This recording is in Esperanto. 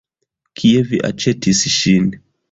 Kie vi aĉetis ŝin?